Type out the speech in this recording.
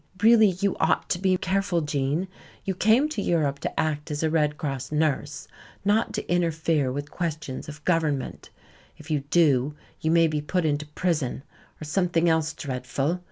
"Really, you ought to be careful, Gene. You came to Europe to act as a Red Cross nurse, not to interfere with questions of government. If you do, you may be put into prison, or something else dreadful.